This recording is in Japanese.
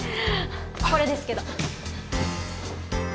これですけど。